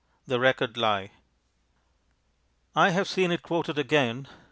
The Record Lie I have just seen it quoted again.